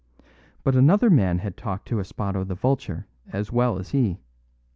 But another man had talked to Espado the Vulture as well as he.